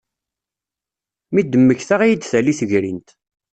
Mi d-mmektaɣ ad iyi-d-tali tegrint.